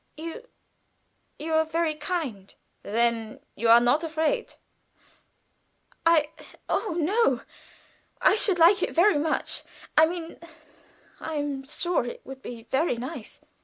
"You you are very kind." "Then you are not afraid?" "I oh, no! I should like it very much. I mean I am sure it would be very nice."